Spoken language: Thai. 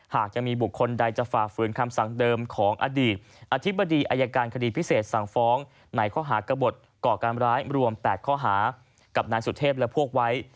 หากจะมีบุคคลใดจะฝ่าฝืนคำสั่งเดิมของอดีตอธิบดีอายการคดีพิเศษสั่งฟ้องในข้อหากระบดก่อการร้ายรวม๘ข้อหากับนายสุเทพและพวกไว้